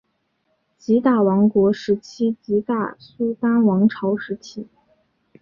吉打王国时期吉打苏丹王朝时期